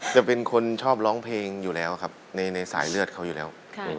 จะเป็นคนชอบร้องเพลงอยู่แล้วครับในสายเลือดเขาอยู่แล้ว